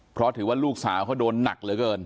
เพราะถือว่าลูกสาวเขาโดนหนักเหลือเกิน